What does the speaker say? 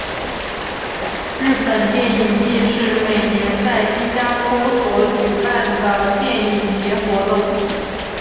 日本电影祭是每年在新加坡所举行的电影节活动。